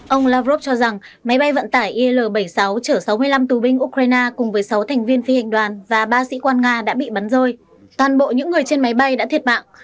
ông lavrov cho rằng máy bay vận tải il bảy mươi sáu chở sáu mươi năm tù binh ukraine cùng với sáu thành viên phi hành đoàn và ba sĩ quan nga đã bị bắn rơi toàn bộ những người trên máy bay đã thiệt mạng